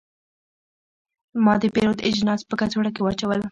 ما د پیرود اجناس په کڅوړه کې واچول.